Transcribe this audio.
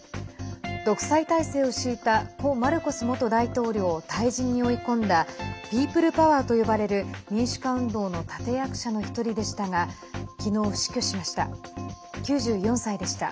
独裁体制を敷いた故マルコス元大統領を退陣に追い込んだピープルパワーと呼ばれる民主化運動の立て役者の一人でしたが昨日、死去しました。